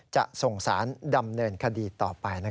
จะส่งสารดำเนินคดีต่อไป